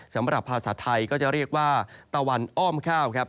สำหรับภาษาไทยก็จะเรียกว่าตะวันอ้อมข้าวครับ